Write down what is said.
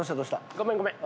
ごめんごめん。